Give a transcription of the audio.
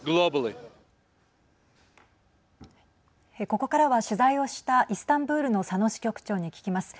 ここからは取材をしたイスタンブールの佐野支局長に聞きます。